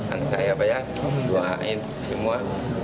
anak saya pak ya doain semua